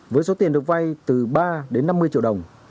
với số tiền được vay từ ba đến năm mươi triệu đồng